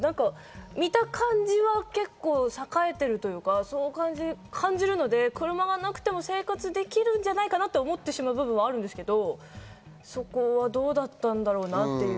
見た感じは結構栄えているというか、そう感じるので、車がなくても生活できるんじゃないかなと思ってしまう部分はあるんですけど、そこはどうだったんだろうなっていう。